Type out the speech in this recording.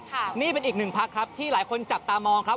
นี่เป็นอีกหนึ่งพักครับที่หลายคนจับตามองครับ